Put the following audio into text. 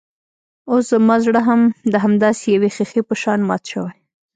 اوس زما زړه هم د همداسې يوې ښيښې په شان مات شوی.